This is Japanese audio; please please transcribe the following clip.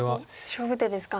勝負手ですか。